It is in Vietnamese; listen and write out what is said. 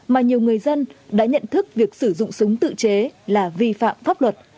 mà nhiều người dân đã nhận thức việc sử dụng súng tự chế là vi phạm pháp luật